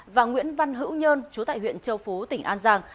và nguyễn văn hữu nhơn chú tại huyện châu phú tỉnh an giang